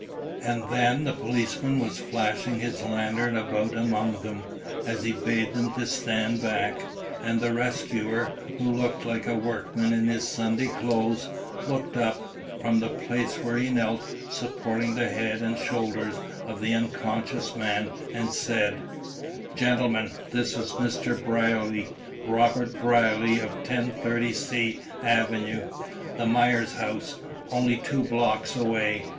And then the policeman was flashing his lantern about among them, as he bade them stand back, and the rescuer, who looked like a workman in his Sunday clothes, looked up, from the place where he knelt, supporting the head and shoulders of the unconscious man, and said: "Gentlemen, this is Mr. Brierly, Robert Brierly of 1030 C Avenue; the Myers house, only two blocks away.